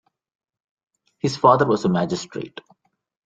His father was a magistrate.